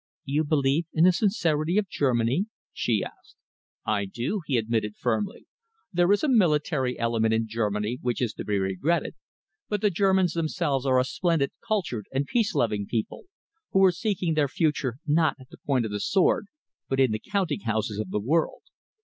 "You believe in the sincerity of Germany?" she asked. "I do," he admitted firmly. "There is a military element in Germany which is to be regretted, but the Germans themselves are a splendid, cultured, and peace loving people, who are seeking their future not at the point of the sword but in the counting houses of the world.